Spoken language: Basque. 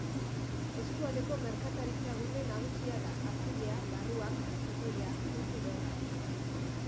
Eskualdeko merkataritzagune nagusia da: artilea, larruak, kotoia, fruitu lehorrak.